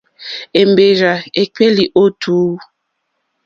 Èmbèrzà èkpéélì ó tùú.